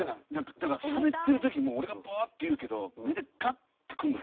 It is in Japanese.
だからしゃべってる時も俺がバーッて言うけど目でガッてくるの。